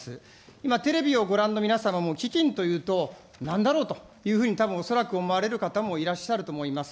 今、テレビをご覧の皆様も基金というと、なんだろうというふうにたぶん恐らく思われる方もいらっしゃると思います。